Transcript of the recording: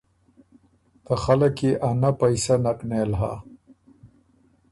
ته خلق يې انۀ پئسۀ نک نېل هۀ۔